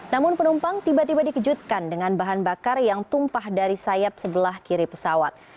namun penumpang tiba tiba dikejutkan dengan bahan bakar yang tumpah dari sayap sebelah kiri pesawat